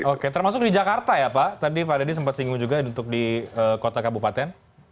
oke termasuk di jakarta ya pak tadi pak deddy sempat singgung juga untuk di kota kabupaten